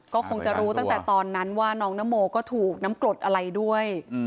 ก็คงจะรู้ตั้งแต่ตอนนั้นว่าน้องนโมก็ถูกน้ำกรดอะไรด้วย